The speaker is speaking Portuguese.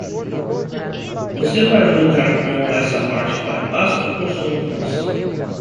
Você vai ajudar com essa parte para a Páscoa ou somos nós?